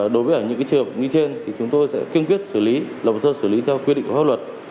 đối với những trường hợp như trên chúng tôi sẽ kiên quyết xử lý lòng sơ xử lý theo quy định của pháp luật